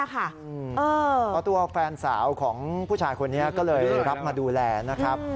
เพราะตัวแฟนสาวของผู้ชายคนนี้ก็เลยรับมาดูแลนะครับ